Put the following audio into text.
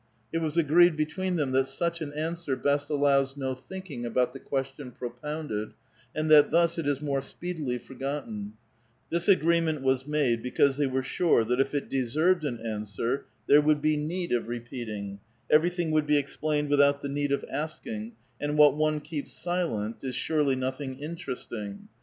It was agreed between them, that such an answer best allows no thinking about the question propounded, and that thus it is more speedily forgotten ; this agreement was made because thev were sure that if it deserved an answer, there would be need of repeating ; everything would be explained without the need of asking, and what one keeps silent is surely nothing interesting.